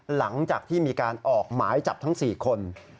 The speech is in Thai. หลังจากที่มีการออกหมายจับทั้ง๔คน